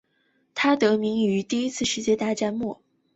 它得名于第一次世界大战末期的停战。